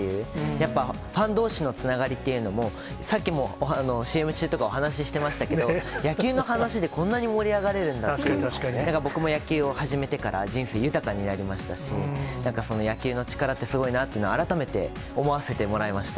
やっぱファンどうしのつながりっていうのも、さっきもＣＭ中とかお話してましたけど、野球の話で、こんなに盛り上がれるんだっていう、僕も野球を始めてから、人生豊かになりましたし、なんか野球の力ってすごいなっていうのは、改めて思わせてもらいました。